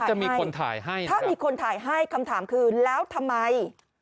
ถ้ามีคนถ่ายให้คำถามคือแล้วทำไม